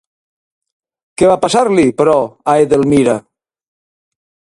Què va passar-li, però, a Edelmira?